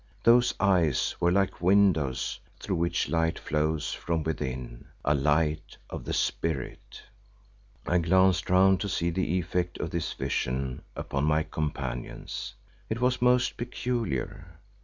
Those eyes were like windows through which light flows from within, a light of the spirit. I glanced round to see the effect of this vision upon my companions. It was most peculiar.